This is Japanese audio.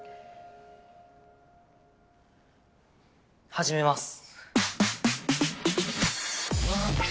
始めます。